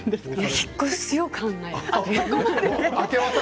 引っ越しを考える。